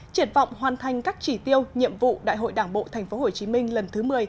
triệt vọng hoàn thành các chỉ tiêu nhiệm vụ đại hội đảng bộ tp hcm lần thứ một mươi